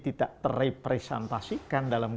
tidak terrepresentasikan dalam